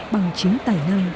bằng chính tài năng